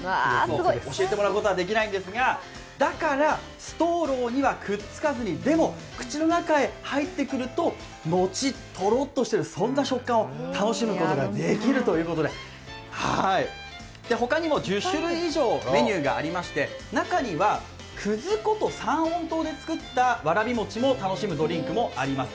教えてもらうことはできないんですが、だから、ストローにはくっつかずにでも、口の中へ入ってくるともちっ、とろっとしている、そんな食感を楽しむことができるということで、他にも１０種類以上メニューがありまして、中には、葛粉と三温糖で作ったわらび餅を楽しめるドリンクもあります。